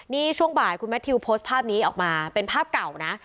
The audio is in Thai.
นี่ช่วงบ่ายคุณแมททิวโพสต์ภาพนี้ออกมาเป็นภาพเก่านะ